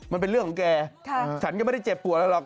มันเป็นเรื่องของแกฉันก็ไม่ได้เจ็บปวดอะไรหรอก